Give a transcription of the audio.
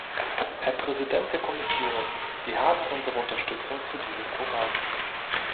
Herr Präsident der Kommission, Sie haben unsere Unterstützung für dieses Programm.